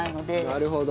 なるほど。